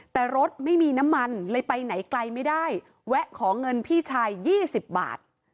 แต่รถไม่มีน้ำมันเลยไปไหนไกลไม่ได้แวะขอเงินพี่ชาย๒๐บาท